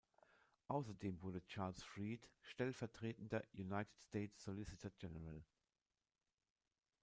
Außerdem wurde Charles Fried stellvertretender United States Solicitor General.